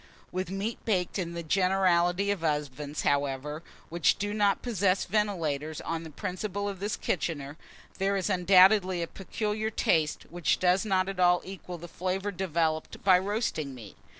With meat baked in the generality of ovens, however, which do not possess ventilators on the principle of this kitchener, there is undoubtedly a peculiar taste, which does not at all equal the flavour developed by roasting meat.